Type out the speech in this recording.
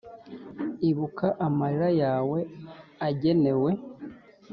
ibuka amarira yawe agenewe